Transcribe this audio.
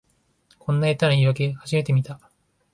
こんな下手な言いわけ初めて見た